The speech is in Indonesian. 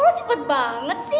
lo cepet banget sih